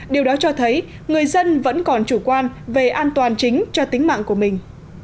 điều đó cho thấy người dân vẫn còn chủ quan về an toàn chính cho tính mạng của mình